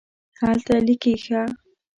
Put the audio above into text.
هغه لیکي ښه